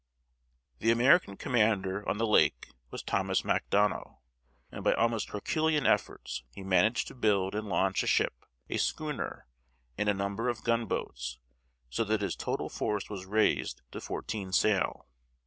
The American commander on the lake was Thomas Macdonough, and by almost herculean efforts he managed to build and launch a ship, a schooner, and a number of gunboats, so that his total force was raised to fourteen sail.